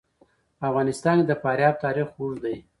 په افغانستان کې د فاریاب تاریخ اوږد دی.